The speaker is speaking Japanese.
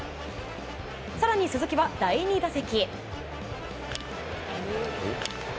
更に鈴木は第２打席。